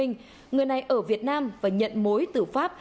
người này ở việt nam và nhận mối tử pháp